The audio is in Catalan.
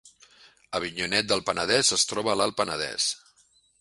Avinyonet del Penedès es troba a l’Alt Penedès